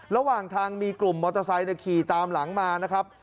ระหว่างทางมีกลุ่มมอเตอร์ไซค์ขี่ตามหลังมานะครับ